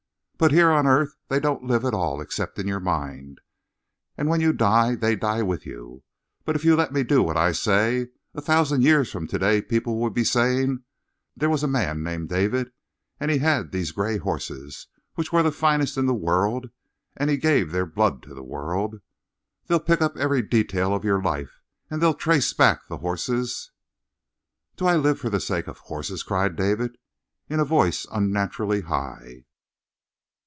"But here on earth they don't live at all except in your mind. And when you die, they die with you. But if you let me do what I say, a thousand years from to day, people will be saying: 'There was a man named David, and he had these gray horses, which were the finest in the world, and he gave their blood to the world.' They'll pick up every detail of your life, and they'll trace back the horses " "Do I live for the sake of a horse?" cried David, in a voice unnaturally high.